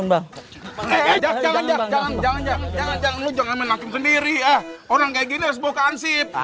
abang nasselsin perusahaan lalu